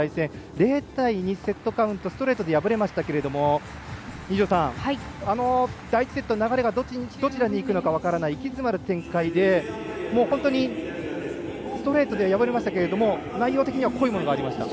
０対２とセットカウントストレートで敗れましたがあの第１セット、流れがどちらにいくのか分からない息詰まる展開で、本当にストレートで敗れましたが内容的に濃いものがありました。